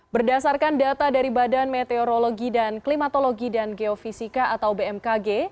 berdasarkan data dari badan meteorologi dan klimatologi dan geofisika atau bmkg